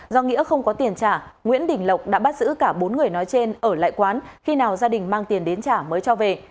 do nghĩa không có tiền trả nguyễn đình lộc đã bắt giữ cả bốn người nói trên ở lại quán khi nào gia đình mang tiền đến trả mới cho về